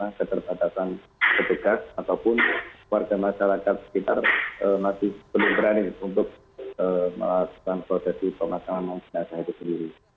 dan ketika ada panggilan yang berbegas ataupun warga masyarakat sekitar masih belum berani untuk melakukan prosesi pemakaman jenazah itu sendiri